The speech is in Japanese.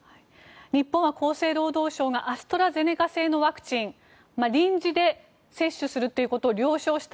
日本は厚生労働省がアストラゼネカ製のワクチン臨時で接種するということを了承した。